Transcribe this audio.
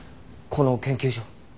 この研究所。